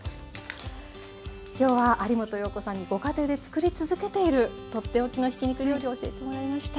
今日は有元葉子さんにご家庭でつくり続けている取って置きのひき肉料理教えてもらいました。